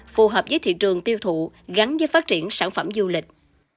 phù hợp với thị trường tiêu thụ gắn với phát triển sản phẩm du lịch